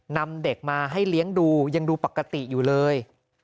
นำเด็กมาให้เลี้ยงดูยังดูปกติอยู่เลย